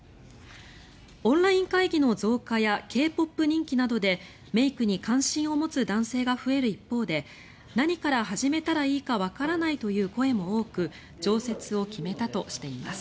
オンライン会議の増加やＫ−ＰＯＰ人気などでメイクに関心を持つ男性が増える一方で何から始めたらいいかわからないという声も多く常設を決めたとしています。